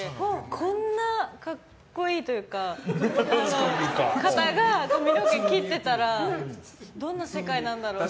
こんな格好いい方が髪の毛を切ってたらどんな世界なんだろうって。